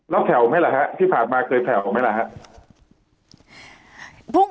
แล้วแผ่วไหมล่ะฮะที่ผ่านมาเคยแผ่วออกไหมล่ะครับ